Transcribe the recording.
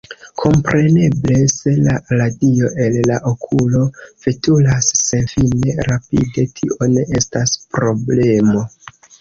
Kompreneble se la radio el la okulo veturas senfine rapide tio ne estas problemo.